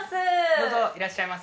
どうぞ、いらっしゃいませ。